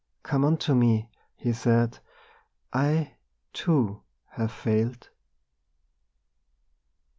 Come unto Me,' He said; 'I, too, have failed.